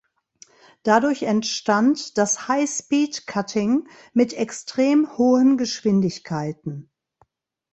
Dadurch entstand das High-Speed-Cutting mit extrem hohen Geschwindigkeiten.